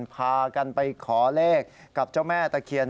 พากันไปขอเลขกับเจ้าแม่ตะเคียน